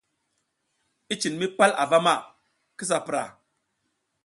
I cin mi pal avama, kisa pura.